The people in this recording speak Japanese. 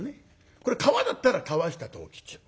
これ川だったら川下藤吉郎。